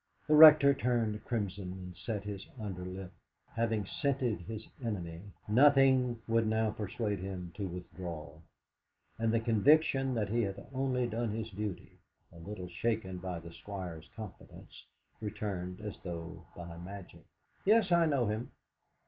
The Rector turned crimson, and set his underlip. Having scented his enemy, nothing would now persuade him to withdraw; and the conviction that he had only done his duty, a little shaken by the Squire's confidence, returned as though by magic. "Yes, I know him."